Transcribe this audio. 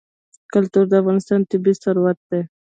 کلتور د افغانستان طبعي ثروت دی.